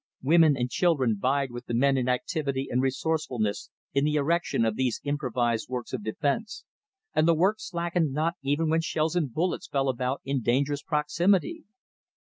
Women and children vied with the men in activity and resourcefulness in the erection of these improvised works of defence, and the work slackened not even when shells and bullets fell about in dangerous proximity.